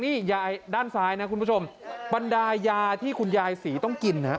นี่ยายด้านซ้ายนะคุณผู้ชมบรรดายาที่คุณยายศรีต้องกินฮะ